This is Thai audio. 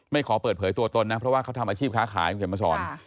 ขอเปิดเผยตัวตนนะเพราะว่าเขาทำอาชีพค้าขายคุณเขียนมาสอน